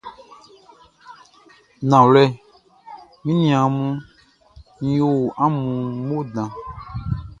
Nanwlɛ, mi niaan mun, n yo amun mo dan.